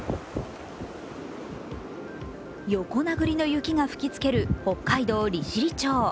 横殴りの雪が吹きつける北海道利尻町。